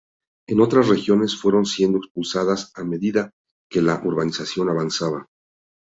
En otras regiones, fueron siendo expulsadas a medida que la urbanización avanzaba.